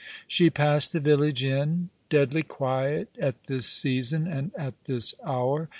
She passed the village inn, deadly quiet at this season and at this hour.